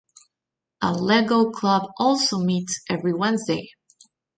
A Lego club also meets every Wednesday.